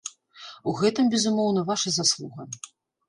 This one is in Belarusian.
У гэтым, безумоўна, ваша заслуга.